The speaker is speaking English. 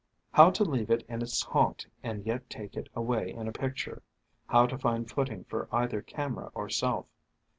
How to leave it in its haunt and yet take it away in a picture, how to find footing for either camera or self